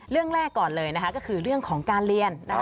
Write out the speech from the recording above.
เรื่องแรกก่อนเลยนะคะก็คือเรื่องของการเรียน